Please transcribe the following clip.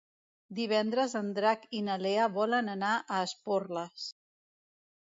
Divendres en Drac i na Lea volen anar a Esporles.